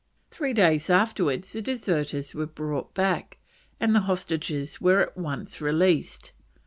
Three days afterwards the deserters were brought back, and the hostages were at once released.